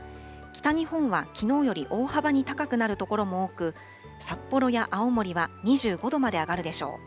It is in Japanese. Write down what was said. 北日本はきのうより大幅に高くなる所も多く、札幌や青森は２５度まで上がるでしょう。